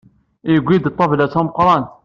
Yuwey-d ḍḍlaba d tameqrant.